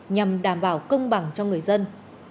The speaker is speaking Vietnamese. nhằm đảm bảo công bằng cho người dân